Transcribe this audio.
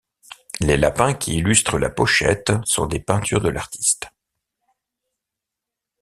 Les lapins qui illustrent la pochette sont des peintures de l'artiste.